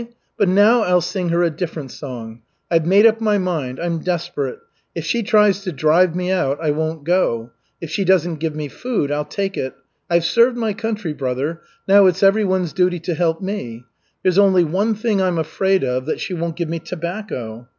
But now I'll sing her a different song. I've made up my mind. I'm desperate. If she tries to drive me out, I won't go. If she doesn't give me food, I'll take it. I've served my country, brother. Now it's everyone's duty to help me. There's only one thing I'm afraid of, that she won't give me tobacco."